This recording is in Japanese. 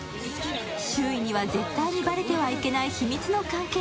周囲には絶対にばれてはいけない秘密の関係。